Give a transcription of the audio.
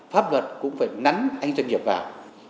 pháp luật cũng phải nắn anh doanh nghiệp vào